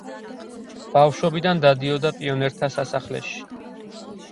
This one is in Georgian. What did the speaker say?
ბავშვობიდან დადიოდა პიონერთა სასახლეში.